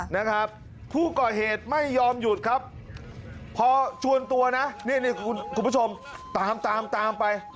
นะครับผู้ก่อเหตุไม่ยอมหยุดครับพอชวนตัวนะนี่คุณผู้ชมตามตามตามไป